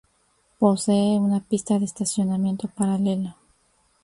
Posee una pista de estacionamiento paralela.